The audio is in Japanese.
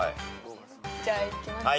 じゃあいきますね。